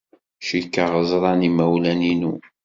Cikkeɣ ẓran yimawlan-inu.